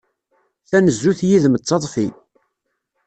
Tanezzut yid-m d taḍfi.